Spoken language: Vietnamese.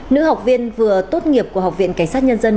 nữ học viên vừa tốt nghiệp của học viện cảnh sát nhân dân